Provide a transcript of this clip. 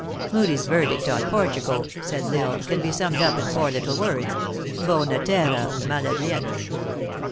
" Moodie s verdict on Portugal," said L Isle, " can be summed up in four little words : Bona term, mala gens?